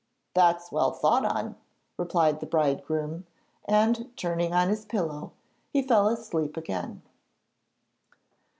'That's well thought on,' replied the bridegroom; and, turning on his pillow, he fell asleep again.